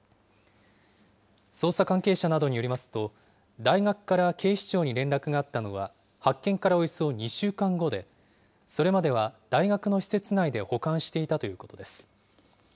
捜査関係者などによりますと、大学から警視庁に連絡があったのは、発見からおよそ２週間後で、それまでは大学の施設内で保管していたということです。